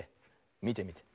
みてみて。